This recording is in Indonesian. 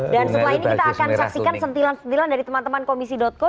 dan setelah ini kita akan saksikan sentilan sentilan dari teman teman komisi co